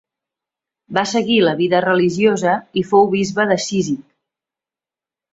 Va seguir la vida religiosa i fou bisbe de Cízic.